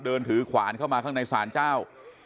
เดินถือขวานเข้ามาข้างในศาลเจ้า